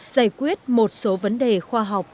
giải quyết một số vấn đề khoa học